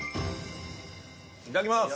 いただきます。